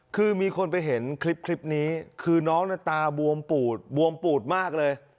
คือมีคนไปเห็นคลิปนี้คือน้องตาบวมปูดบวมปูดมากเลย